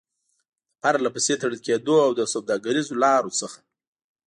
د پرلپسې تړل کېدو او د سوداګريزو لارو څخه